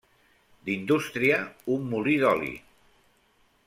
D'indústria, un molí d'oli.